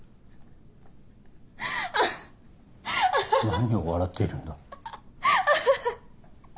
何を笑っているんだ？